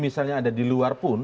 misalnya ada di luar pun